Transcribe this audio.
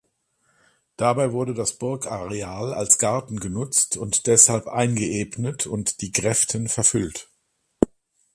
Dabei wurde das Burgareal als Garten genutzt und deshalb eingeebnet und die Gräften verfüllt.